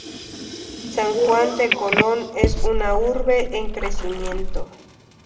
San Juan de Colón es una urbe en crecimiento.